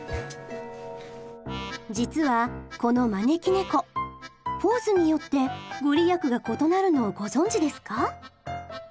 実はこの招き猫ポーズによって御利益が異なるのをご存じですか？